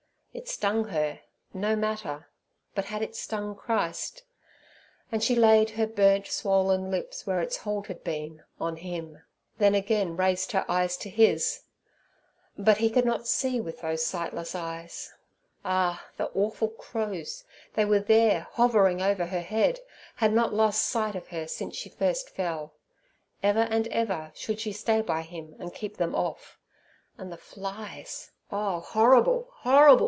It stung her—no matter; but had it stung Christ? And she laid her burnt swollen lips where its hold had been on Him, then again raised her eyes to His. But He could not see with those sightless eyes. Ah! the awful crows! They were there, hovering over her head, had not lost sight of her since she fell first. Ever and ever should she stay by Him and keep them off. And the flies! Oh, horrible! horrible!